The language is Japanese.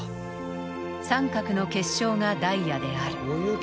三角の結晶がダイヤである。